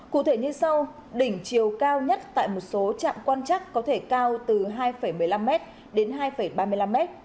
cụ thể như sau đỉnh chiều cao nhất tại một số trạm quan chắc có thể cao từ hai một mươi năm m đến hai ba mươi năm m